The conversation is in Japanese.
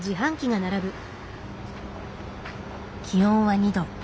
気温は２度。